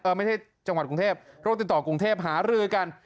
ไม่ใช่จังหวัดกรุงเทพโรคติดต่อกรุงเทพหารือกัน